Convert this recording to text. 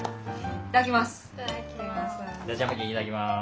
いただきます。